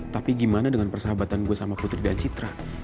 tapi gimana dengan persahabatan gue sama putri dan citra